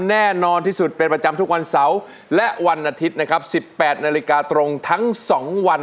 แน่นอนที่สุดเป็นประจำทุกวันเสาร์และวันอาทิตย์นะครับ๑๘นาฬิกาตรงทั้ง๒วัน